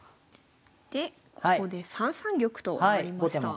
でここで３三玉と上がりました。